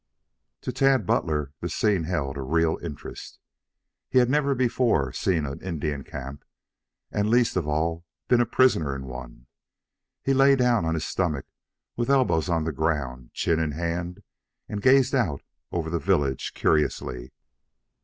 To Tad Butler the scene held a real interest. He had never before seen an Indian camp, and least of all been a prisoner in it. He lay down on his stomach, with elbows on the ground, chin in hands, and gazed out over the village curiously.